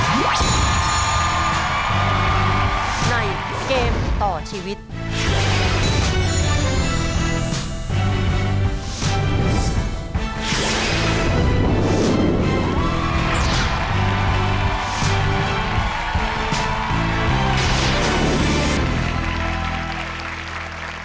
เกมต่อชีวิต